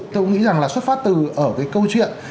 tôi nghĩ rằng là xuất phát từ ở cái câu chuyện